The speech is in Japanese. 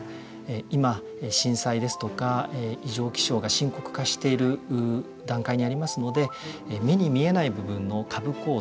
今、震災ですとか、異常気象が深刻化している段階にありますので目に見えない部分の下部構造